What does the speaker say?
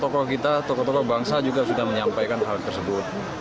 tokoh kita tokoh tokoh bangsa juga sudah menyampaikan hal tersebut